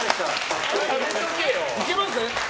いけますか？